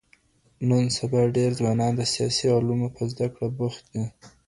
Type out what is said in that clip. نن سبا ډېر ځوانان د سیاسي علومو په زده کړه بوخت دي.